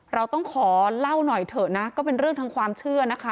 เราต้องขอเล่าหน่อยเถอะนะก็เป็นเรื่องทางความเชื่อนะคะ